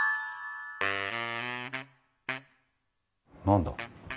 何だ？